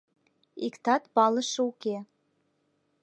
Иктат палыше уке.